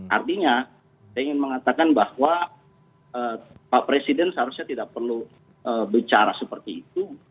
artinya saya ingin mengatakan bahwa pak presiden seharusnya tidak perlu bicara seperti itu